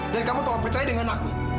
dan kamu tolong percaya dengan aku